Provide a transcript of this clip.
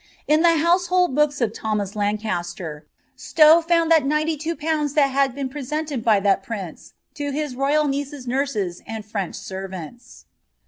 In the household books of Thomas Lancaster, Stow found that ninety two pounds had been presented by that prince to his royal niece's nurses and French servants.